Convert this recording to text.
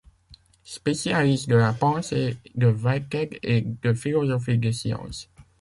Spécialiste de la pensée de Whitehead et de philosophie des sciences.